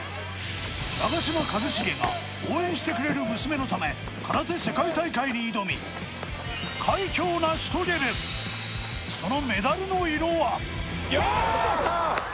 長嶋一茂が応援してくれる娘のため空手世界大会に挑み快挙を成し遂げるそのよーし！